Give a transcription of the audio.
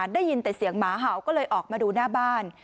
ได้ยินแต่เสียงหมาเห่าก็เลยออกมาดูหน้าบ้าน